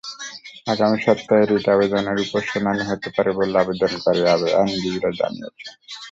আগামী সপ্তাহে রিট আবেদনের ওপর শুনানি হতে পারে বলে আবেদনকারী আইনজীবীরা জানিয়েছেন।